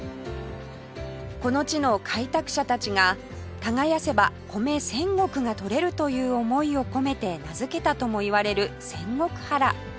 この地の開拓者たちが耕せば米千石がとれるという思いを込めて名付けたともいわれる仙石原